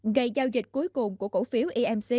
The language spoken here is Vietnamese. ngày giao dịch cuối cùng của cổ phiếu emc